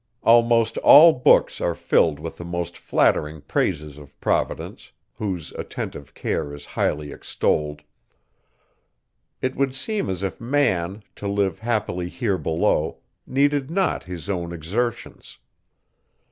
Almost all books are filled with the most flattering praises of Providence, whose attentive care is highly extolled. It would seem as if man, to live happily here below, needed not his own exertions.